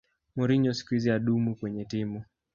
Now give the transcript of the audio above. mourinho siku hizi hadumu kwenye timu